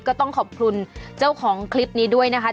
ก็ต้องขอบคุณเจ้าของคลิปนี้ด้วยนะคะ